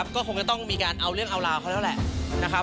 ก็คงจะต้องมีการเอาเรื่องเอาราวเขาแล้วแหละนะครับ